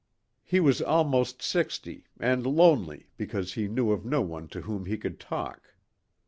He was almost sixty, and lonely because he knew of no one to whom he could talk.